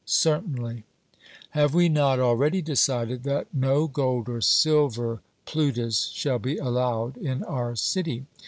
'Certainly.' Have we not already decided that no gold or silver Plutus shall be allowed in our city?